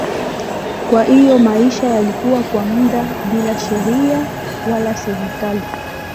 Kwa hiyo maisha yalikuwa kwa muda bila sheria wala serikali.